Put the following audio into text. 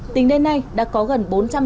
tính đến nay đã có gần bốn trăm tám mươi thuê bao